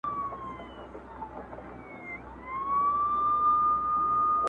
درد چي سړی شو له پرهار سره خبرې کوي